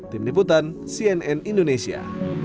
tim deputan cnn indonesia